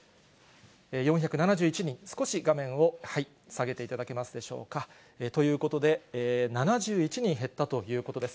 ４７１人、少し画面を、はい、下げていただけますでしょうか。ということで、７１人減ったということです。